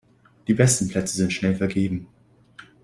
Die besten Plätze sind schnell vergeben.